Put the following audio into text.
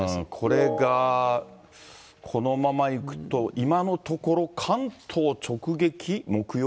これが、このまま行くと、今のところ、関東直撃？